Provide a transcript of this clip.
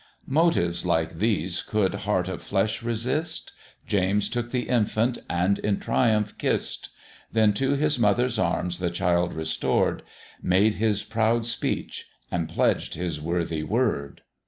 Motives like these could heart of flesh resist? James took the infant and in triumph kiss'd; Then to his mother's arms the child restored, Made his proud speech and pledged his worthy word.